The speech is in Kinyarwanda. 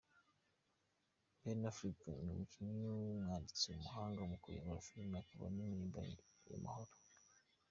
Ben Affleck ni umukinnyi, umwanditsi , umuhanga mu kuyobora filime, akaba n’impirimbanyi y’amahoro.